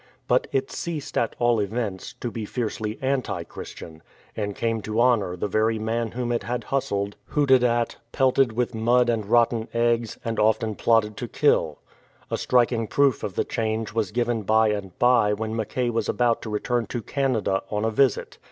But it ceased, at all events, to be fiercely anti Christian, and came to honour the very man whom it had hustled, 07 THE BARBARIANS OF THE PLAIN hooted at, pelted with mud and rotten eggs, and often plotted to kill. A striking proof of the change was given by and by when Mackay was about to return to Canada on a visit.